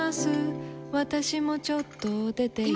私もちょっと出ています。